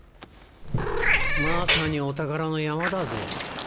まさにお宝の山だぜ。